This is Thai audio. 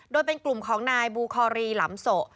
โดยเป็นกลุ่มของนายบูคอรีหลำโส